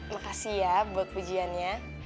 makasih ya buat pujiannya